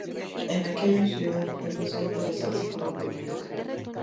En aquella ciudad, empezó a interesarse por la política.